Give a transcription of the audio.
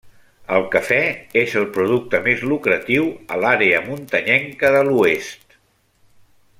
El cafè és el producte més lucratiu a l'àrea muntanyenca de l'oest.